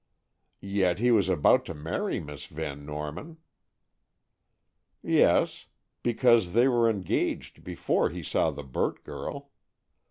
"Yet he was about to marry Miss Van Norman." "Yes; because they were engaged before he saw the Burt girl.